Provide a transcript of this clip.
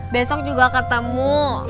besok juga ketemu